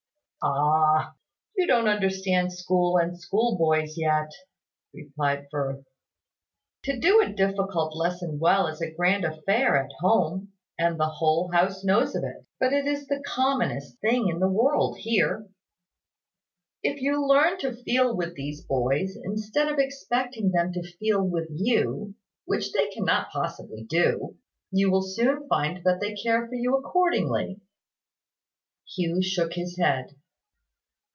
"Ah! You don't understand school and schoolboys yet," replied Firth. "To do a difficult lesson well is a grand affair at home, and the whole house knows of it. But it is the commonest thing in the world here. If you learn to feel with these boys, instead of expecting them to feel with you (which they cannot possibly do), you will soon find that they care for you accordingly." Hugh shook his head.